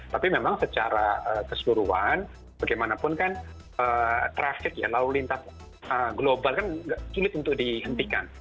tapi memang secara keseluruhan bagaimanapun kan traffic ya lalu lintas global kan sulit untuk dihentikan